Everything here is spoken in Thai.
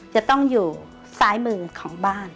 จะต้องอยู่ซ้ายมือของบ้าน